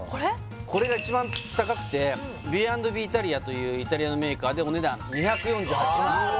これが一番高くてＢ＆ＢＩｔａｌｉａというイタリアのメーカーでお値段２４８万